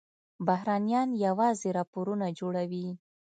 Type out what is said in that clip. بهرنیان یوازې راپورونه جوړوي.